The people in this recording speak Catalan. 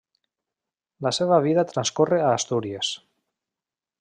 La seva vida transcorre a Astúries.